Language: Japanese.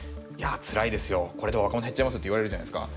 「これで若者減っちゃいます」って言われるじゃないですか。